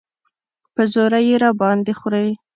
په زوره یې راباندې خورې.